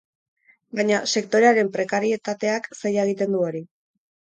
Baina sektorearen prekarietateak zaila egiten du hori.